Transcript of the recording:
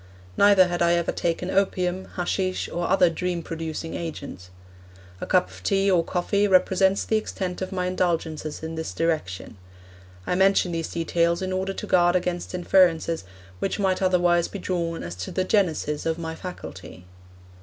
Neither had I ever taken opium, haschish, or other dream producing agent. A cup of tea or coffee represents the extent of my indulgences in this direction. I mention these details in order to guard against inferences which might otherwise be drawn as to the genesis of my faculty.